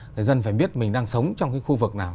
người dân phải biết mình đang sống trong cái khu vực nào